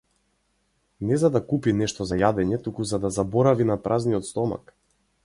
Не за да купи нешто за јадење, туку за да заборави на празниот стомак.